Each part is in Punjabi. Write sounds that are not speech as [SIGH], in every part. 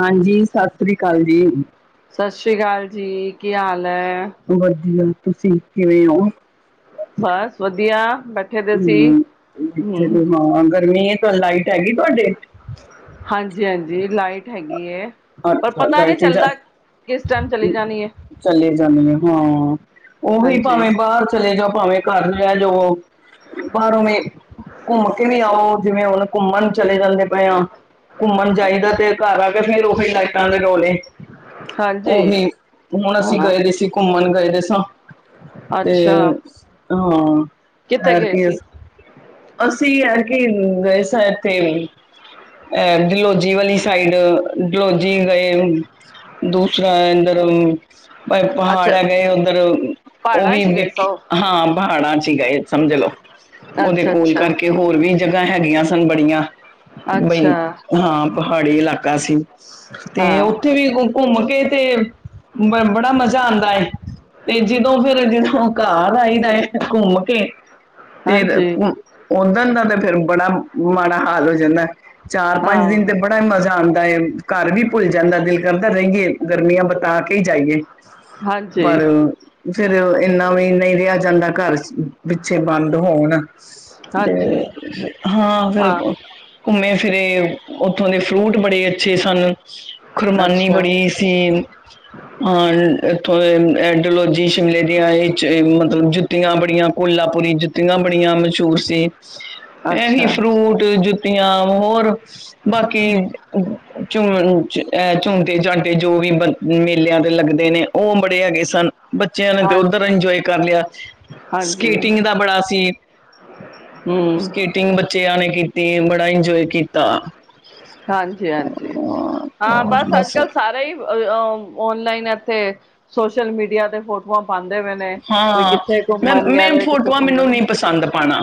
ਹਾਂਜੀ ਸਤਿ ਸ੍ਰੀ ਅਕਾਲ ਜੀ। ਸਤਿ ਸ੍ਰੀ ਅਕਾਲ ਜੀ ਕੀ ਹਾਲ ਲ। ਵਧੀਆ ਤੁਸੀਂ ਕਿਵੇਂ ਹੋ? ਬਸ ਵਧੀਆ। ਬੈਠੇ ਦੇ ਸੀ ਹੂੰ ਇੱਥੇ ਹਮ ਹਾਂ ਗਰਮੀ ਲ ਹੈਗੀ ਤੁਹਾਡੇ ਹਾਂਜੀ ਹਾਂਜੀ ਲਾਈਟ ਹੈਗੀ ਹੈ ਪਰ ਅੱਛਾ ਪਤਾ ਬ ਨਹੀਂ ਚੱਲਦਾ ਕਿਸ ਟਾਈਮ ਚਲੀ ਜਾਣੀ ਹੈ ਚਲੇ ਜਾਂਦੇ ਆ ਹਾਂ ਉਹੀਵੀ ਹਾਂਜੀ ਭਾਵੇਂ ਬਾਹਰ ਚਲੇ ਜਾਓ ਭਾਵੇਂ ਘਰ ਰਿ ਜੋੋ ਬਾਹਰੋਂਵੇਂ ਘੁੰਮ ਕੇ ਵੀ ਆਓ ਜਿਵੇਂ ਹੁਣ ਘੁੰਮਣ ਚਲੇ ਜਾਂਦੇ ਪਏ ਹਾਂ ਘੁੰਮਣ ਜਾਈਦਾ ਤੇ ਘਰ ਆ ਕੇ ਫ ਰ ਲਾਈਟਾਂ ਦੇ ਕੋੌਲੇ ਹਾਂਜੀ ਉਹੀ ਹੁਣ ਅਸੀਂ ਹਾਂ ਗਏ ਦੇ ਸੀ ਘੁੰਮਣ ਗਏ ਦੇ ਸੀ ਛ [UNINTELLIGIBLE] ਤੇ ਅੱਛਾ ਹਾਂ ਕਿੱਥੇ ਐਰ ਗਏ ਕੀ ਸੀ ਅਸੀਂਰ ਕਿ ਗਏ ਇੱਥੇ ਅਹ ਡਲੋਜੀ ਵਾਲੀ ਸਾਈਡ ਡਲੋਜੀ ਗਏ ਦੂਸਰਾ ਅੰਦਰ ਪਰ ਪਹਾੜ ਅੱਛਾ ਹੈ ਗਏ ਉੱਧਰ ਉਹ ਪਹਾੜਾਂ ਵੀ ਚ ਗਏ ਵਖ ਸੋ ਹਾਂ ਪਹਾੜਾਂ ਚ ਹੀ ਗਏ ਸਮਝ ਲਓ ਉਹਦੇ ਅੱਛਾ ਕੋਲ ਅੱਛਾ ਕਰਕੇ ਹੋਰ ਵੀ ਜਗ੍ਹਾ ਹੈਗੀਆਂ ਨ ਬੜੀਆਂ ਬਈ ਅੱਛਾ ਹਾਂ ਪਹਾੜੀ ਇਲਾਕਾ ਸੀ ਤੇ ਹਾਂ ਉੱਥੇ ਵੀ ਘੁੰਮ ਕੇ ਤੇ ਬ ਬੜਾ ਮਜ਼ਾ ਆਉਂਦਾ ਹੈ ਤੇ ਜਦੋਂ ਫਿਰ ਜਦੋਂ ਘਰ ਆਈਦਾ ਘੁੰਮ ਕੇ ਤੇ ਹਾਂਜੀ ਉਹ [UNINTELLIGIBLE] ਫਿਰਰ ਬੜਾ [UNINTELLIGIBLE] ਮਾੜਾ ਹਾਲ ਹੋ ਜਾਂਦਾ ਚਾਰ ਪੰਜ ਦਿਨ ਹਾਂ ਬੜਾ ਮਜ਼ਾ ਆਉਂਦਾ ਹੈ ਘਰ ਵੀ ਭੁੱਲ ਜਾਂਦਾ ਦਿਲ ਕਰਦਾ ਰਹਿੰਏ ਗਰਮੀਆਂ ਬਿਤਾ ਕੇ ਹੀ ਜਾਈਏ ਹਾਂਜੀ ਪਰ ਫਿਰ ਇਨਾ ਵੀ ਨਹੀਂ ਰਿਹਾ ਜਾਂਦਾ ਘਰ ਪਿੱਛੇ ਬੰਦ ਹੋਣ ਤੇ ਹਾਂਜੀ ਹਾਂ ਫਿਰ ਘੁੰਮੇ ਫਿਰੇ ਉੱਥੋਂ ਦੇ ਫਰੂਟ ਬੜੇ ਅੱਛੇ ਸਨ ਕੁਰਬਾਨੀ ਅੱਛਾ ਬੜੀ ਸੀ ਅਹ ਇੱਥੋਂ ਐਡੀਲੋਜੀ ਸ਼ਿਮਲੇ ਦੀਆਂ ਇਹ ਜੁੱਤੀਆਂ ਬੜੀਆਂ ਕੋਲਾਪੁਰੀ ਜੁੱਤੀਆਂ ਬੜੀਆਂ ਮਸ਼ਹੂਰ ਸੀ ਐਹੀ ਅੱਛਾ ਫਰੂਟ ਜੁੱਤੀ ੀਆਂ ਹੋਰ ਬਾਕੀ ਮ ਜੂਨ ਚ ਐ ਚੁਮਟੇ ਚਾਮਟੇ ਜੋ ਵੀ ਮੇਲਿਆਂ ਤੇ ਲੱਗਦੇ ਨੇ ਉਹ ਬੜੇ ਹੈਗੇ ਸਨ ਬੱਚਿਆਂ ਨੇ ਤੇ ਉਧਰ ਹਾਂਜੀ ਇੰਜੋਏ ਕਰ ਲਿਆ ਹਾਂਜੀ ਸਕਿਟਿੰਗ ਦਾ ਬੜਾ ਸੀ ਹਮ ਸੀਟਿੰਗ ਬੱਚੇ ਆਣੇ ਕੀ ਟੀਮ ਬੜਾ ਇੰਜੋਏ ਕੀਤਾ ਹਾਂਜੀ ਹਾਂਜੀ ਹਾਂ ਹਾਂ ਹੋਰ ਬਸ ਅੱਜ ਕੱਲ੍ਹ ਸਾਰਾ ਹੀ ਅ ਔ ਔਨਲਾਈਨ ਇੱਥੇ ਸੋਸ਼ਲ ਮੀਡੀਆ ਤੇ ਫੋਟੋਆਂ ਪਾਉਂਦੇ ਪਏ ਨੇ ਕੋਈ ਹਾਂ ਕਿੱਥੇ ਮੈਂ ਘੁੰਮਣ ਗਿਆ ਮੈਂ ਕੋਈ ਕਿੱਥੇ ਫੋਟੋਆਂ ਮੈਨੂੰ ਘੁੰਮਣ ਨਹੀਂ ਪਸੰਦ ਪਾਉਣਾ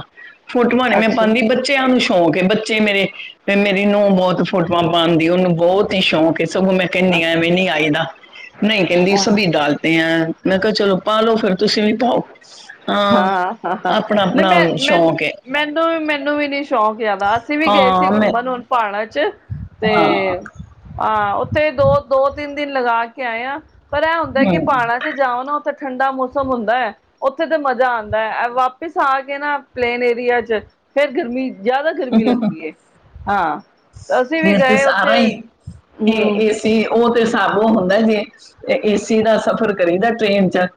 ਫੋਟੋਆਂ ਨਹੀਂ ਮੈਂ ਅੱਛਾ ਪਾਉਂਦੀ ਬੱਚਿਆਂ ਨੂੰ ਸ਼ੌਂਕ ਹੈ ਬੱਚੇ ਮੇਰੇ ਤੇ ਮੇਰੀ ਨੂੰਹ ਬਹੁਤ ਫੋਟੋਆਂ ਪਾਂਦੀ ਉਹਨੂੰ ਬਹੁਤ ਸ਼ੌਂਕ ਸਗੋਂ ਮੈਂ ਕਹਿੰਦੀ ਆ ਐਵੇਂ ਨੀ ਆਈਦਾ ਨਹੀਂ ਕਹਿੰਦੀ ਹਾਂ ਸਭੀ ਡਾਲਦੇ ਆ ਮੈਂ ਕਿਹਾ ਚਲੋ ਪਾ ਲਓ ਫਿਰ ਤੁਸੀਂ ਵੀ ਪਾਓ ਹਾਂ ਹਾ ਹਾ ਆਪਣਾ ਨੀ ਆਪਣਾ ਮੈਂ ਸ਼ੌਂਕ ਹੈ ਮੈਨੂੰ ਮੈਨੂੰ ਵੀ ਨਹੀਂ ਸ਼ੌਂਕ ਜਿਆਦਾ ਅਸੀਂ ਵੀ ਗਏ ਸੀ ਹਾਂ ਮੈਂ ਘੁੰਮਣ ਹੁਣ ਭਾਣਾ ਚ ਤੇ ਹਾਂ ਆ ਉੱਥੇ ਦੋ ਦੋ ਤਿੰਨ ਦਿਨ ਲਗਾ ਕੇ ਆਇਆ ਪਰ ਇਹ ਹੁੰਦਾ ਕਿ ਹਮ ਪਹਾੜਾ ਚ ਜਾਓ ਨਾ ਉੱਥੇ ਠੰਡਾ ਮੌਸਮ ਹੁੰਦਾ ਹੈੱ ਉੱਥੇ ਤੇ ਮਜ਼ਾ ਆਉਂਦਾ ਹੈ ਵਾਪਿਸ ਆ ਕੇ ਨਾ ਪਲੇਨ ਏਰੀਆ ਚ ਫੇਿਰ ਗਰਮੀ ਜ਼ਿਆਦਾ ਗਰਮੀ ਲੱਗਦੀ ਹੈ ਹਾਂ ਅਸੀਂ ਵੀ ਫਿਰ ਤੇ ਗਏ ਉੱਥੇ ਸਾਰਾ ਹੀ ਹਮ ਏਸੀ ਉਹ ਤੇ ਸਾਬੋ ਹੁੰਦਾ ਜੀ ਏਸੀ ਦਾ ਸਫ਼ਰ ਕਰੀਦਾ ਟ੍ਰੇਨ ਚ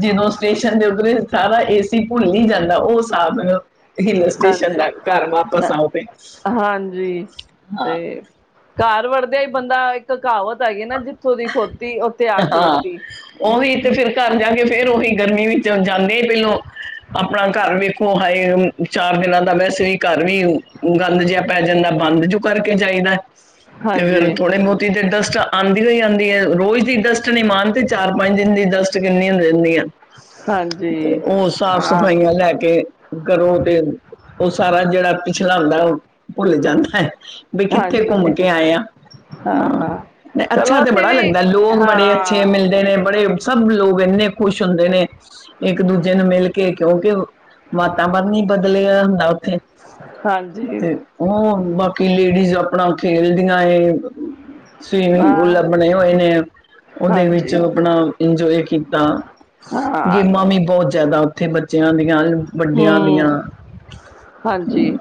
ਜਦੋਂ ਸਟੇਸ਼ਨ ਦੇ ਉੱਤਰੇ ਸਾਰਾ ਏ ਸੀ ਭੁੱਲ ਹੀ ਜਾਂਦਾ ਉਹ ਸਾਬ ਆ ਹਿਲ ਸਟੇਸ਼ਨ ਹਾਂਜੀ ਦਾ ਘਰਮ ਹਾਂਜੀ ਤੇ ਹਾਂ ਘਰ ਹਾਰ ਵੜਦ ਹੀ ਬੰਦਾ ਇੱਕ ਕਾਵਤ ਹੈਗੀ ਨਾ ਜਿੱਥੋਂ ਦੀ ਖੋਤੀ ਆ ਹਾਂ ਖਲੋਤੀ ਓਹੀ ਤੇ ਫਿਰ ਘਰ ਦੇ ਫਿਰ ਉਹੀ ਗਰਮੀ ਵਿੱਚ ਜਾਂਦੇ ਪਹਿਲੋਂ ਆਪਣਾ ਘਰ ਵੇਖੋ ਹਾਏ ਚਾਰ ਦਿਨਾਂ ਦਾ ਵੈਸੇ ਹੀ ਘਰ ਵੀ ਗੰਦ ਜਿਹਾ ਪੈ ਜਾਂਦਾ ਬੰਦ ਜੋ ਕਰਕੇ ਜਾਈ ਦਾ ਤੇ ਫੇਰ ਹਾਂਜੀ ਥੋੜੀ ਬਹੁਤੀ ਤੇ ਡਸਟ ਆਉਂਦੀ ਓ ਆਉਂਦੀ ਹੈ ਰੋਜ਼ ਦੀ ਦਸਟ ਨਹੀਂ ਮਾਣ ਤੇ ਚਾਰ ਪੰਜ ਦਿਨ ਦੀ ਦਸਟ ਕਿੰਨੀਆਂ ਹੁੰਦੀ ਹੁਣੀ ਤੇ ਹਾਂਜੀ ਉਹ ਸਾਫ਼ ਹਾਂ ਸਫਾਈਆਂ ਲੈ ਕੇ ਕਰੋ ਤੇ ਉਹ ਸਾਰਾ ਜਿਹੜਾ ਝਾੜੂ ਲਾਓ ਭੁੱਲ ਜਾਂਦਾ ਹੈ ਬੀ ਕਿੱਥੇ ਹਾਂਜੀ ਘੁੰਮ ਕੇ ਆਏ ਆ ਹਾਂ ਅੱਛਾ ਚਲੋ ਤੇ ਅਸੀਂ ਬੜਾ ਵੀ ਲੱਗਦਾ ਲੋ ਲ ਬੜੇ ਅੱਛੇ ਹਾਂ ਮਿਲਦੇ ਨੇ ਬੜੇ? ਸਭ ਲੋਕ ਇੰਨੇ ਖੁਸ਼ ਹੁੰਦੇ ਨੇ ਇੱਕ ਦੂਜੇ ਨੂੰ ਮਿਲ ਕੇ ਕਿਉਂਕਿ ਵਾਤਾਵਰਨ ਹੀ ਬਦਲਿਆ ਹੁੰਦਾ ਹੈ। ਇੱਥੇ ਹਾਂਜੀ ਤੇ ਉਹ ਬਾਕੀ ਲੇਡੀਜ਼? ਆਪਣਾ ਉਹ ਖੇਲਦੀਆਂ ਏ। ਸਵੀਮਿੰਗ ਪੂਲ ਹਾਂ ਲ ਬਣਾਈ ਹੋਏ ਨੇ। ਉਹਦੇ ਵਿੱਚ ਹਾਂਜੀ ਆਪਣਾ ਇੰਜੋਏ ਕੀਤਾ ਹਾਂ ਗੇਮਾਂ ਵੀ ਬਹੁਤ? ਜ਼ਿਆਦਾ ਉੱਥੇ ਬੱਚਿਆਂ ਦੀਆਂ। ਵੱਡਿਆਂ ਦੀਆਂ ਹੂੰ ਹਾਂਜੀ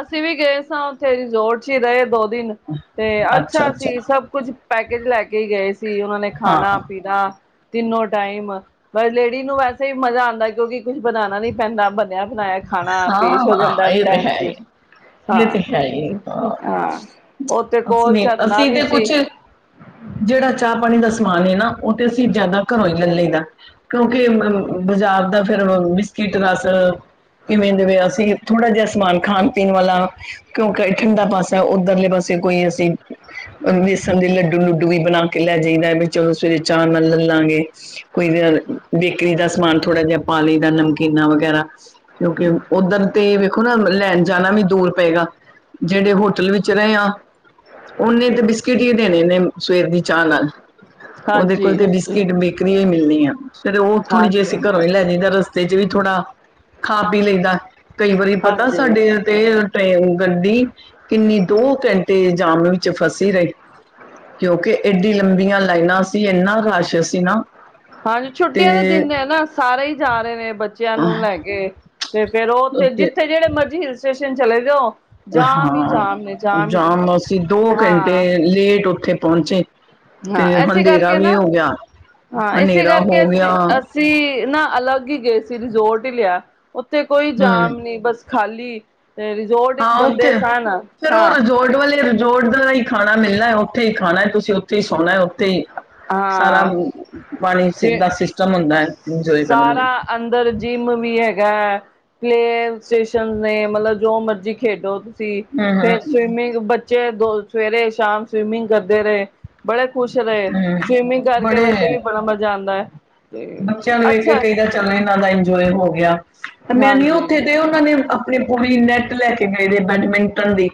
ਅਸੀਂ ਵੀ। ਗਏ ਸਾਂ ਉੱਥੇ ਰਿਜੋਰਟ ਚ ਹੀ ਰਹੇ ਦੋ। ਦਿਨ ਤੇ ਅੱਛਾ ਸੀ ਸਭ ਕੁਛ। ਪੈਕੇਜ ਲੈ ਕੇ ਗਏ ਸੀ। ਸੀ ਉਹਨਾਂ ਨੇ ਹਾਂ ਖਾਣਾ ਪੀਣਾ? ਤਿੰਨੋ ਟਾਈਮ ਪਰ ਲੇਡੀ ਨੂੰ ਵੈਸੇ ਹੀ ਮਜ਼ਾ ਆਂਦਾ ਕਿਉਂਕਿ ਕੁੱਛ ਬਣਾਉਣਾ ਨਹੀਂ? ਪੈਂਦਾ। ਬਣਾਇਆ ਖਾਣਾ ਪੇਸ਼ ਹੋ ਹਾਂ ਜਾਂਦਾ ਹਾਂ ਇਹ ਤੇ ਟਾਈਮ ਹੈ ਸਿਰ ਹੀ ਇਹ ਤੇ ਹਾਂ ਹੈ ਹੀ ਹਾਂ ਉਥੇ ਅਸੀਂ ਕੋਲ ਨੇ ਝਰਨਾ ਅਸੀਂ ਵੀ ਤੇ ਸੀ? ਕੁਛ ਜਿਹੜਾ ਚਾਹ ਦਾ ਪਾਣੀ ਨਾ ਉਹ ਤੇ ਅਸੀਂ ਜਿਆਦਾ ਘਰੋਂ ਹੀ ਲੈ ਲਈ ਦਾ ਕਿਉਂਕਿ ਬਾਜ਼ਾਰ ਦਾ ਫੇਰ ਬਿਸਕਿਟ, ਰਸ। ਕਿਵੇਂ ਜਿਵੇਂ ਅਸੀਂ ਥੋੜ੍ਹਾ ਜਿਹਾ ਸਮਾਨ ਖਾਣ ਪੀਣ ਵਾਲਾ। ਕਿਉਂਕਿ ਇਹ ਠੰਢਾ ਪਾਸਾ ਉਹ। ਪਰਲੇ ਪਾਸੇ ਕੋਈ ਅਸੀਂ। ਔਰ ਬੇਸਣ ਦੇ ਲੱਡੂ। ਲੱਡੂ ਲੁੱਡੂ ਵੀ ਬਣਾ ਕੇ ਲੈ ਜਾਈਦਾ ਵੀ ਚਲੋ ਸਵੇਰੇ ਚਾਹ ਨਾਲ ਲੈ ਲਾਂਗੇ ਕੋਈ ਬੇਕਰੀ ਦਾ ਸਮਾਨ ਥੋੜਾ ਜਿਹਾ ਪਾ ਲਈ ਦਾ ਨਮਕੀਨਾ ਵਗੈਰਾ। ਕਿਉਂਕਿ ਹੁਣ ਉੱਧਰ। ਤੇ ਵੇਖੋ ਨਾ ਲੈਣ ਜਾਣਾ ਵੀ ਦੂਰ ਪਏਗਾ ਜਿਹੜੇ ਹੋਟਲ ਵਿੱਚ ਰਹੇ ਆ ਉਹਨੇ ਤਾਂ ਬਿਸਕਿਟ ਹੀ ਦੇਣੇ ਨੇ ਸਵੇਰ ਦੀ ਚਾਹ ਨਾਲ? ਉਹਦੇ ਕੋਲ ਹਾਂਜੀ ਤੇ ਹਾਂਜੀ ਬਿਸਕਿਟ ਬੇਕਰੀ ਹੀ ਮਿਲਣੀ ਹੈ। ਮਿਆਉਂ। ਫੇਰ ਉਹ ਥੋੜੀ ਜਿਹੀ ਹਾਂਜੀ ਅਸੀਂ ਘਰੋਂ ਹੀ ਲੈ ਜਾਂਦਾ ਰਸਤੇ ਚ ਵੀ ਥੋੜਾ। ਖਾ ਪੀ ਲਈ ਲੈਂਦਾ ਹੈ। ਕਈ ਵਾਰੀ ਪਤਾ ਹਾਂਜੀ ਸਾਡੇ ਇੱਥੇ? ਟਰੇਨ ਗੱਡੀ ਕਿੰਨੀ ਦੋ ਘੰਟੇ ਜਾਮ ਵਿੱਚ ਫਸੀ ਰਹੀ ਕਿਉਂਕਿ ਐਏਡੀ ਲੰਬੀਆਂ ਲਾਈਨਾਂ ਸੀ ਇੰਨਾ ਰਸ਼ ਸੀ ਨਾ। ਹਾਂਜੀ ਤੇ ਛੁੱਟੀਆਂ ਦੇ ਦਿਨ ਹੈ ਨਾ ਸਾਰੇ ਹੀ ਜਾ ਰਹੇ ਨੇ ਬੱਚਿਆਂ ਨੂੰ ਲੈ ਅਹ, ਕੇ? ਤੇ ਫੇਰ ਉੱਥੇ ਤੇ ਜਿੱਥੇ ਜਿਹੜੇ ਮਰਜ਼ੀ ਹਿਲ ਸਟੇਸ਼ਨ। ਤੇ ਚਲੇ ਜਾਓ। ਜਾਮ ਹੀ ਹਾਂ ਜਾਮ ਨੇ ਹੀ ਜਾਮ ਅਸੀਂ ਦੋ ਘੰਟੇ ਹਾਂ ਲੇਟ ਉੱਥੇ ਪਹੁੰਚੇ ਹਾਂ ਤੇ ਇਸੇ ਹਨੇਰਾ ਕਰਕੇ ਨਾ ਵੀ ਹੋ ਗਿਆ ਹਾਂ ਇਸੇ ਹਨੇਰਾ ਕਰਕੇ ਹੋ ਅਸੀ ਗਿਆ ਅਸੀਂ ਨਾ ਅਲੱਗ ਹੀ ਗਏ ਸੀ। ਫਿਰ ਰਿਜੋਰਟ ਹੀ ਲਿਆ। ਉੱਥੇ ਕੋਈ ਹਮ ਜਾਮ ਨੀ ਬਸ ਖਾਲੀ ਤੇ ਰਿਜ਼ੋਰਟ ਵਿੱਚ ਹਾਂ ਬੰਦੇ ਸਨ ਹਾਂ। ਜੋੜ ਦਾਰ ਹੀ ਖਾਣਾ ਮਿਲਣਾ ਹੈ, ਉੱਥੇ ਹੀ ਖਾਣਾ ਹੈ ਤੁਸੀਂ ਉੱਥੇ ਹੀ ਸੋਣਾ। ਹੀ ਸਾਰਾ ਹਾਂ ਪਾਣੀ ਸਿੱਧਾ ਸਿਸਟਮ ਹੁੰਦਾ ਹੈ ਇੰਜੋਏ ਕਰਨ ਲਈ ਸਾਰਾ ਅੰਦਰ ਜਿੰਮ ਵੀ ਹੈਗਾ ਹੈ। ਪਲੇ ਸਟੇਸ਼ਨ ਨੇ ਮਤਲਬ ਜੋ ਮਰਜੀ ਖੇਡੋ ਹਮ ਫੇਰ ਹਮ ਸਵਿਮਿੰਗ ਬ ਬੱਚੇ ਦੋ ਸਵੇਰੇ ਸ਼ਾਮ ਸਵਿਮਿੰਗ ਕਰਦੇ ਰਹੇ ਬੜੇ ਖੁਸ਼ ਰਹੇ ਹਮ ਸਵੀਮਿੰਗ ਕਰਕੇ ਬੜੇ ਵੈਸੇ ਵੀ ਬੜਾ ਮਜ਼ਾ ਆਉਂਦਾ ਹੈ। ਤੇ ਬੱਚਿਆਂ ਨੂੰ ਵੇਖ ਕੇ ਅੱਛਾ ਕਈ ਤਾਂ ਚੱਲ ਇਹਨਾਂ ਦਾ ਇਨਜੋਏ ਹੋ ਗਿਆ। ਮੈਂ ਨ ਹਾਂਜੀ ਉੱਥੇ ਤੇ ਉਹਨਾਂ ਨੇ ਆਪਣੇ ਪੂਲ ਨੈੱਟ ਲੈ ਕੇ ਗਏ ਦੇ ਬੈਡਮਿੰਟਨ ਦੀ।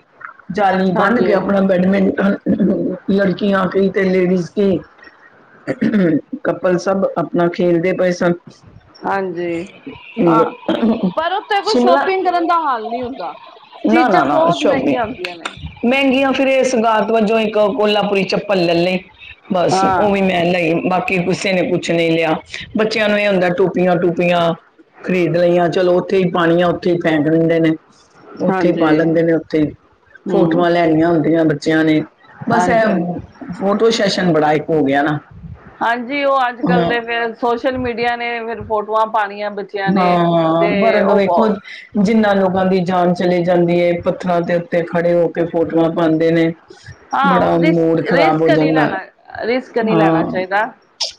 ਜਾਲੀ ਬੰਨ ਹਾਂਜੀ ਕੇ ਆਪਣਾ ਬੈਡਮਿੰਟ [INAUDIBLE] ਲੜਕੀਆਂ ਕੀ ਤੇ ਲੇਡੀਜ਼ ਕੀ [INAUDIBLE] ਕਪਲ ਸਭ ਅ ਨਾਲ ਖੇਲਦੇ ਪੈਏ [INAUDIBLE] ਹਾਂਜੀ ਹਾਂ ਪਰ ਉੱਥੇ ਕੋਈ ਸ਼ਿਮਲਾ ਸ਼ੋਪਿੰਗ ਕਰਨ ਦਾ ਹਾਲ ਨਹੀਂ ਹੁੰਦਾ ਚੀਜ਼ਾਂ ਨਾ-ਨਾ-ਨਾ ਬਹੁਤ ਸ਼ੋ ਮਹਿੰਗੀਆਂ ਆਉਂਦੀਆਂ ਨੇ ਮਹਿੰਗੀਆਂ ਫਿਰ ਇਸ ਗਲ ਵਜੋਂ ਇੱਕ ਕੋਲਾਪੁਰੀ ਚੱਪਲ ਲੈ ਲਈ। ਬਸ ਉਹ ਹਾਂ ਵੀ ਮੈਂ ਲਈ ਬਾਕੀ ਕੁਛ ਤੇ ਕੁੱਛ ਨਹੀਂ ਲਿਆ। ਬੱਚਿਆਂ ਨੂੰ ਇਹ ਹੁੰਦਾ ਟੋਪੀਆਂ, ਟੋਪੀਆਂ ਖਰੀਦ ਲਈਆਂ, ਚਲੋ ਉੱਥੇ ਹੀ ਪਾਣੀਆਂ ਉੱਥੇ ਹੀ ਫੈਂਕ ਦਿੰਦੇ ਨੇ ਉੱਥੇ ਪਾ ਹਾਂਜੀ ਲੈਂਦੇ ਨੇ ਉੱਥੇ ਹਮ ਫੋਟੋਆਂ ਲੈਣੀਆਂ ਹੁੰਦੀਆਂ ਬੱਚਿਆਂ ਨੇ ਬਸ ਹਾਂਜੀ ਇਹ ਹਾਂਜੀ ਫੋਟੋ ਸੈਸ਼ਨ ਬੜਾ ਇੱਕ ਹੋ ਗਿਆ ਨਾ ਹਾਂਜ ਜੀ ਉਹ ਅੱਜ ਕੱਲ ਹਾਂ ਦੇ ਫੇਰ ਸੋਸ਼ਲ ਮੀਡੀਆ ਨੇ ਫੇਰ ਫੋਟੋਆਂ ਪਾਣੀਆਂ ਬੱਚਿਆਂ ਨੇ ਮਆਂ ਪਰ ਤੇ ਉਹ ਦੇਖੋ ਬਹੁ ਜਿੰਨਾ ਲੋਕਾਂ ਦੀ ਜਾਨ ਚਲੀ ਜਾਂਦੀ ਹੈ, ਪੱਥਰਾਂ ਦੇ ਉੱਤੇ ਖੜੇ ਹੋ ਕੇ ਫੋਟੋਆਂ ਪਾਉਂਦੇ ਨੇ ਹਾਂ ਬੜਾ ਮੂਡ ਖ਼ਰਾਬ ਹੋ ਰਿਸਕ ਜਾਂਦਾ ਨਹੀਂਲੈਣਾ--ਰਿਸਕ ਨਹੀਂੀ ਲੈਣਾ ਹਾਂ ਚਾਹੀਦਾ,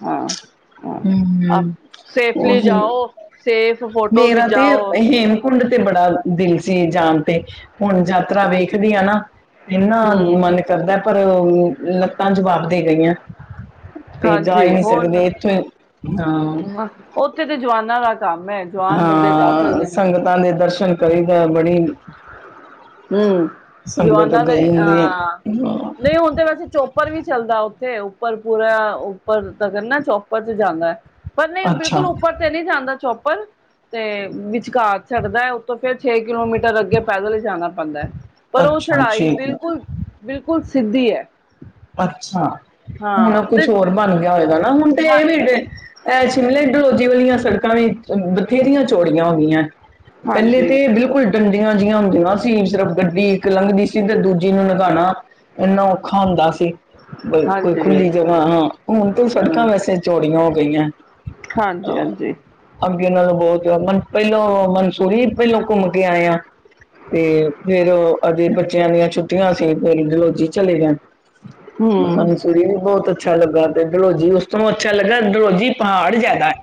ਹਾਂ--ਹਾ ਹਮ ਸੇਫਲੀ ਉਹੀ ਜਾਓ। Safe photo ਖਿਚਾਓ। ਕੁੰਡ ਤੇ ਬੜਾ ਦਿਲ ਸੀ ਜਾਣ ਤੇ ਹੁਣ ਯਾਤਰਾ ਵੇਖਦੀ ਆ ਨਾ। ਹਮ ਏਨ--ਮਨ ਕਰਦਾ ਪਰ ਲੱਤਾਂ ਚ ਜਵਾ ਦੇਣੀਆਂ, ਤੇ ਜਾ ਹੀ ਹਾਂਜੀ ਨਹੀਂ ਹੁਣ ਸਕਦੇ ਇੱਥੋਂ ਹਾਂ। ਤਮ ਹੈ ਜਵਾਨ ਬੰਦੇ ਜਾ ਸਕਦੇ ਨੇ। ਕਈ। ਹੂ, ਸੰਗਤ ਜਵਾਨਾਂ ਤੇ ਗਈ ਹੁੰਦੀ ਆ ਆਂ, ਹਾਂ ਨਹੀਂ ਹੁਣ ਤੇ ਵੈਸੇ ਚੋਪਰ ਵੀ ਚੱਲਦਾ। ਤੇ ਉੱਪਰ ਪੂਰਾ ਉੱਪਰ ਤੱਕ ਨਾ ਚੋਪਰ ਚ ਜਾਂਦਾ। ਪਰ ਨਹੀਂ ਬਿਲਕੁਲ ਅੱਛਾ ਉੱਪਰ ਤੇ ਨਹੀਂ ਜਾਂਦਾ ਚੋਪਾ ਪਰ ਤੇ ਵਿਚਕਾਰ ਛਡਦਾ ਉੱਤੋਂ ਫੇਿਰ ਛੇ ਕਿਲੋਮੀਟਰ ਅੱਗੇ ਪੈਦਲ ਹੀ ਜਾਣਾ ਪੈਂਦਾ-ਪਰ ਉਹ ਅੱਛਾ ਚੜਾਈ ਠੀਕ ਹੈ ਬਿਲਕੁਲ ਬਿਲਕੁਲ ਸਿੱਧੀ ਹੈ। ਅੱਛਾ ਹੁਣ ਹਾਂ ਕੁਛ ਤੇ ਹੋਰ ਬਣ ਗਿਆ ਹੋਏਗਾ ਨਾ ਹੁਣ ਹਾਂ ਤੇ--ਏ ਵੀ--ਡੇ। ਐ ਸ਼ਿਮਲੇ--ਡਲੋਜੀ ਵਲੀਆਂ ਸ ਪਿ ਬਥੇਰੀਆਂ ਚੌੜੀਆਂ, ਹੋ ਗਈਆਂ ਪਹਿਲੇ ਹਾਂਜੀ ਤੇ ਬਿਲਕੁਲ। ਡੰਡੀਆਂ ਜਿਹੀਆਂ ਹੁੰਦੀਆਂ ਸੀ, ਸਿਰਫ ਗੱਡੀ ਇੱਕ ਲੰਘਦੀ ਸੀ, ਤੇ ਦੂਜੀ ਨੂੰ ਲੰਘਗਾਂਣਾ ਇੰਨਾ ਔਖਾ ਹੁੰਦਾ ਸੀ। ਬਈ ਕੋਈ ਹਾਂਜੀ ਖੁੱਲੀ ਜਗ੍ਹਾ, ਹਾਂ ਹੁਣ ਤੇ ਹਾਂ ਸੜਕਾਂ ਵੈਸੇ ਚੋੜੀਆਂ ਹੋ ਗਈਆਂਏ। ਹਾਂਜੀ ਹਾਂਜੀ ਏਨਾਂ ਦਾ ਬੋਤ ਮਨ ਪਹਿਲੋਂ ਮਨਸੂਰੀ, ਪਹਿਲੋਂ ਘੁੰਮ ਕੇ ਆਏਆ, ਤੇ ਫੇਰ ਅਜੇ ਬੱਚਿਆਂ ਦੀਆਂ ਛੁੱਟੀਆਂ ਸੀਂ ਫਿਰ ਡਲੋਜੀ, ਚਲੇ ਜਾਣ ਅ ਹੂੰ ਮਨਸੂਰੀ ਵੀ ਬਹੁਤ ਅੱਛਾ ਲੱਗਾ ਤੇ ਡਲੋਜੀ, ਉਸ ਤੋਂ ਅੱਛਾ ਲੱਗਾ ਡਲੋਜੀੀ। ਪਹਾੜ ਜ਼ਿਆਦਾ ਏ,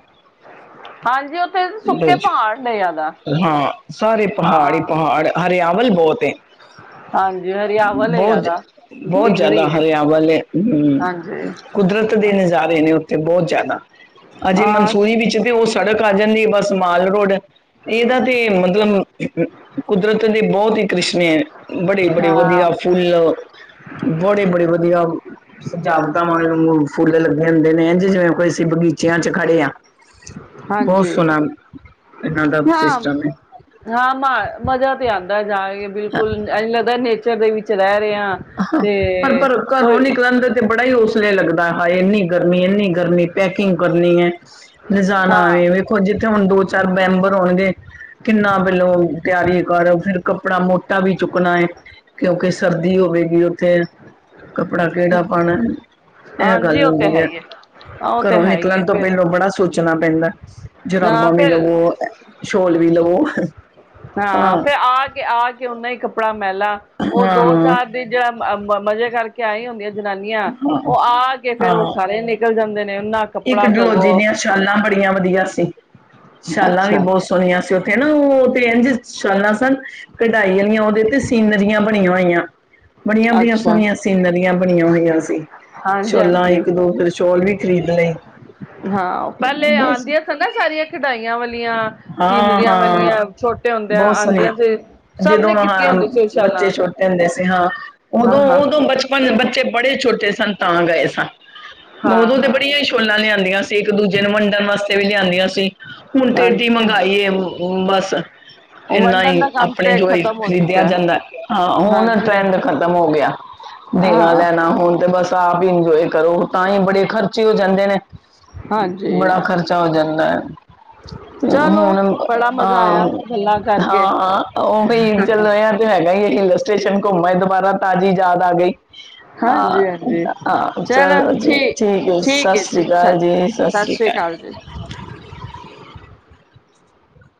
ਹਾਂਜੀ ਉੱਥੇ ਸੁੱਕੇ ਕਿਦੇ ਚ ਪਹਾੜ ਨੇ ਜ਼ਿਆਦਾ ਹਾਂ, ਸਾਰੇ ਪਹਾੜ, ਹੀ ਹਾਂ ਪਹਾੜ, ਹਰਿਆਵਲ ਬਹੁਤ ਏ, ਹਾਂਜੀ ਹਰਿਆਵਲ ਹੈ ਬਹੁਤ ਏ, ਜ਼ਿਆਦਾ ਬਹੁਤ ਏ। ਗ੍ਰੀਨਰੀ ਜ਼ਿਆਦਾ ਹੈ ਹਰਿਆਵੱਲ ਏ,। ਹੁ ਹਾਂਜੀ ਕੁਦਰਤ ਦੇ ਨਜ਼ਾਰੇ ਨੇ। ਤੇ ਬਹੁਤ ਜ਼ਿਆਦਾ। ਅਜੇ, ਹਾਂ ਮਨਸੂਰੀ ਵਿੱਚ ਤੇ ਉਸ ਸੜਕ ਆ ਜਾਂਦੀ ਬਸ ਮਾਲ ਰੋਡ। ਇਹਦਾ ਤੇ ਮਤਲਬ ਕੁਦਰਤ, ਦੇ ਬਹੁਤ ਹੀ ਕਿੱਰੇਸ਼ਮੇ ਹੈ ਬੜੇ--ਬੜੇ ਹਾਂ ਵਧੀਆ ਫੁੱਲ ਬੜੇ--ਬੜੇ ਵਧੀਆ ਸਜਾਵਟਾਂ ਵਾਂਗੂ ਫੁੱਲ ਲੱਗੇ ਹੁੰਦੇ ਨੇ, ਇੰਜ ਜਿਵੇਂ ਕੋਈ ਅਸੀਂ ਬਗੀਚਿਆਂ ਚ ਖੜੇ ਆ। ਬਹੁਤ ਹਾਂਜੀ ਸੋਹਣਾ ਇਹਨਾਂ ਦਾ ਹਾਂ ਸਿਸਟਮ ਹੈ ਹਾਂ ਮ ਮਜ਼ਾ ਤੇ ਆਉਂਦਾ ਜਾਏ ਬਿਲਕੁਲ ਐਈਂ ਲਗਦਾ ਹੇ [UNINTELLIGIBLE] ਚ ਰਹਿ ਰਹਿਆ ਤੇ ਪਰ ਪਰ ਘਰੋਂ ਕੋਈ ਨਿਕਲਣ ਦੇ ਤੇ ਬੜਾ ਹੀ [UNINTELLIGIBLE] ਲੱਗਦਾ ਐ ਹਾਏ ਇੰਨੀ ਗਰਮੀ ਇੰਨੀ ਗਰਮੀ ਪੈਕਿੰਗ ਕਰਨੀ ਐ। ਨਿਜ਼ਾਨਣਾ ਹਾਂ ਆਵੇਂ ਵੇਖੋ ਜਿੱ ਹੁਣ ਦੋ ਚਾਰ ਮੈਂਬਰ ਹੋਣਗੇ ਕਿੰਨਾ ਪਹਿਲੋਂ ਤਿਆਰੀ ਕਰ ਫਿਰ ਕੱਪੜਾ ਮੋਟਾ ਵੀ ਚੁੱਕਣਾ ਏ। ਸਰਦੀ ਹੋਵੇਗੀ ਉੱਥੇ ਕੱਪੜਾ ਕਿਹੜਾ ਪਾਣੈ ਇਹ ਹਾਂਜੀ ਗੱਲ ਉਹ ਤੇ ਹੁੰਦੀ ਹੈ ਐ ਹੀ ਹੈ ਉਹ ਤੇ ਘਰੋਂ ਹੈ ਹੀ ਹੈ ਨਿਕਲਣ ਤੋਂ ਫਿਰ ਪਹਿਲੋਂ ਬੜਾ ਸੋਚ ਚਣਾ ਪੈਂਦੈ ਹਾਂ ਫਿਰ ਸ਼ੋਲ ਵੀ ਲਵੋ ਹਾਂ ਫੇਿਰ ਆ ਕੇ ਆ ਕੇ ੳਨਾ ਈ ਕੱਪੜਾ ਮੈਲਾ ਉਹ ਦੋ ਹਾਂ ਸਾਲ ਦੀ ਜਿਹੜਾ ਮਜ ਮਜੇ ਕਰਕੇ ਆਈ ਹੀ ਹੁੰਦੀ ਐ ਜਨਾਨੀਆਂ ਹਾਂ ਉਹ ਆ ਕੇ ਫਿਰ ਉਹ ਹਾਂ ਸਾਰੇ ਨਿਕਲ ਜਾਂਦੇ ਨੇ ਓਨਾ ਇੱਕ ਕੱਪੜਾ ਧੋਵੋ ਡਲੋਜੀ ਦੀਆਂ ਸ਼ਾਲਾਂ ਵ [UNINTELLIGIBLE] ਸ਼ਾਲਾਂ ਵੀ ਅੱਛਾ ਬਹੁਤ ਸੋਹਣੀਆਂ ਸੀ ਉਥੇ ਤੇ ਨਾਂ ਉਹ ਤੇ ਇੰਝ ਸ਼ਾਲਾਂ ਸਨ ਕਢਾਈ ਅਲੀਆਂ ਉਹਦੇ ਤੇ ਸੀਨਰੀਆਂ ਬਣੀਆਂ ਹੋਈਆਂ ਬੜੀਆਂ ਬੜੀਆਂ ਅੱਛਾ ਸੋਹਣੀਆਂ ਸੀਨਰੀਆਂ ਬਣੀਆਂ ਹੋਈਆਂ ਸੀ ਹਾਂਜੀ ਛੋਲਾਂ ਹਾਂਜੀ ਇੱਕ ਦੋ ਫਿਰ ਸ਼ੋਲ ਵੀ ਖਰੀਦ ਲਈ। ਹ ਹਾਂ ਪਹਿਲੇ ਆਂਦੀਆਂ ਸਨ ਨਾ ਸਾਰੀਆਂ ਕਢਾਈਆਂ ਵਾਲੀ ਹਾਂ ਹਾਂ ਛੋਟੇ ਹੁੰਦਿਆਂ ਬਹੁਤ ਸੋਹਣੀਆਂ ਆਉਂਦੀਆਂ ਸੀ ਸਭ ਜਦੋਂ ਨੇ ਕੀਤੀਆਂ ਹਾਂ ਹੁੰਦੀਆਂ ਸੀ ਬੱਚੇ ਸ਼ਾਲਾਂ ਛੋਟੇ ਹੁੰਦੇ ਸੀ ਹਾਂ ਹਾਂ ਉਦੋਂ ਹਾਂ ਉਦੋਂ ਬਚਪਨ ਬੱਚੇ ਬੜੇ ਛੋਟੇ ਸਨ ਤਾਂ ਗਏ ਸਾਂ ਹਾਂ ਹਾਂ ਉਦੋਂ ਤੇ ਹਾਂ ਬੜੀਆਂ ਹੀ ਛੋਲਾਂ ਲਿਆਂਦੀਆਂ ਸੀ ਇੱਕ ਦੂਜੇ ਨੂੰ ਵੰਡਣ ਵਾਸਤੇ ਵੀ ਲਿਆਂਦੀਆਂ ਸੀ ਹੁਣ ਤੇਡੀ ਹਾਂਜੀ ਮੰਗਾਈਏ [UNINTELLIGIBLE] ਬਸ ਇਨਾ ਵੰਡਣ ਈ ਦਾ ਕੰਮ ਆਪਣੇ ਤੇ ਜੋ ਹੀ ਖ਼ਤਮ ਹੋ ਖਰੀਦਿਆ ਚੁੱਕਿਆ ਜਾਂਦੈ ਹਾਂ ਹੁਣ ਹਾਂਜੀ ਟ੍ਰੈਂਡ ਖਤਮ ਹੋ ਗਿਆ ਦੇਣਾ ਹਾਂ ਲੈਣਾ ਹੁਣ ਤੇ ਬਸ ਤਾਂ ਆਪ ਹੀ ਇੰਜੋਏ ਕਰੋ ਤਾਂ ਹੀ ਬੜੇ ਖਰਚੇ ਹੋ ਜਾਂਦੇ ਨੇ ਹਾਂਜੀ ਬੜਾ ਖਰਚਾ ਹੋ ਜਾਂਦੈ ਤੇ ਚਲੋ ਹੁਣ ਬੜਾ ਮਜ਼ਾ ਹਾਂ ਆਇਆ ਗੱਲਾਂ ਹਾਂ ਕਰਕੇ ਹਾ ਉਹ ਭਈ ਚਲੋ ਇਹਾਰ ਤੇ ਹੈਗਾ ਈ ਏ ਹਿਲ ਸਟੇਸ਼ਨ ਘੁੰਮ ਅਏ ਦੁਬਾਰਾ ਤਾਜੀ ਯਾਦ ਆ ਗਈ ਆਂ ਹਾਂਜੀ ਹਾਂਜੀ ਆਂ ਚਲੋ ਜੀ ਠੀਕ ਐ ਸਸ੍ਰੀ ਕਾਲ ਜੀ ਸਤਿ ਸਸ੍ਰੀ ਸ਼੍ਰੀ ਕਾਲ। ਅਕਾਲ ਜੀ